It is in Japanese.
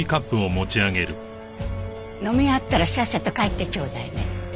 飲み終わったらさっさと帰ってちょうだいね。